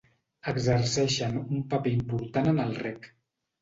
Exerceixen un paper important en el reg.